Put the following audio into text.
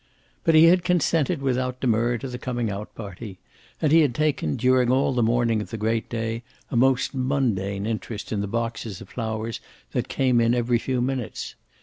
But he had consented without demur to the coming out party, and he had taken, during all the morning of the great day, a most mundane interest in the boxes of flowers that came in every few minutes.